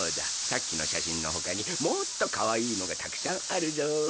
さっきの写真の他にもっとかわいいのがたくさんあるぞ。